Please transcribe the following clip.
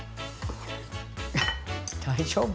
大丈夫？